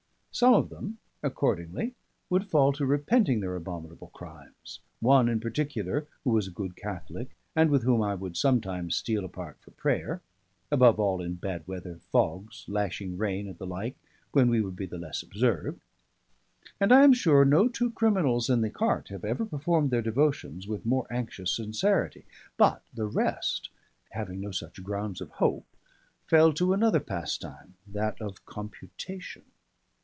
Some of them accordingly would fall to repenting their abominable crimes; one in particular, who was a good Catholic, and with whom I would sometimes steal apart for prayer; above all in bad weather, fogs, lashing rain, and the like, when we would be the less observed; and I am sure no two criminals in the cart have ever performed their devotions with more anxious sincerity. But the rest, having no such grounds of hope, fell to another pastime, that of computation.